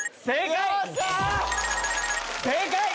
正解！